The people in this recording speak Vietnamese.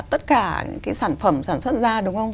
tất cả cái sản phẩm sản xuất ra đúng không